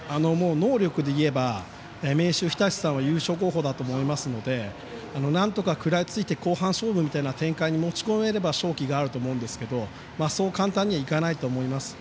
能力で言えば明秀日立さんは優勝候補だと思いますのでなんとか食らいついて後半勝負みたいな展開に持ち込めれば勝機があると思うんですがそう簡単にはいかないと思います。